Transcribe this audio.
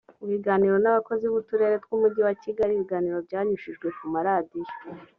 ibiganiro n abakozi b uturere tw umujyi wa kigali ibiganiro byanyujijwe ku maradiyo